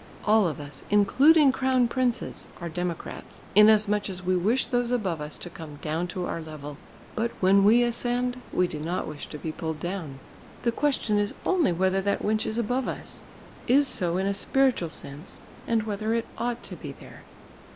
All of us, including crown princes, are democrats, inasmuch as we wish those above us to come down to our level; but when we ascend, we do not wish to be pulled down. The question is only whether that winch is "above" us is so in a spiritual sense, and whether it ought to be there.